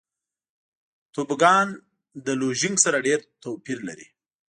توبوګان له لوژینګ سره ډېر توپیر لري.